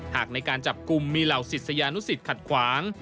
หากในการจับกลุ่มมีเหล่าศิษยานุสิตขัดขวาง